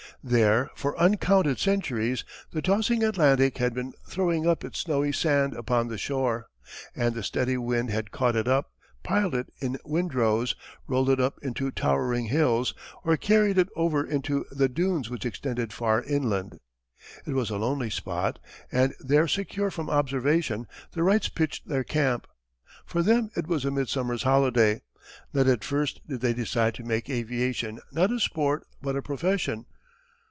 There for uncounted centuries the tossing Atlantic had been throwing up its snowy sand upon the shore, and the steady wind had caught it up, piled it in windrows, rolled it up into towering hills, or carried it over into the dunes which extended far inland. It was a lonely spot, and there secure from observation the Wrights pitched their camp. For them it was a midsummer's holiday. Not at first did they decide to make aviation not a sport but a profession.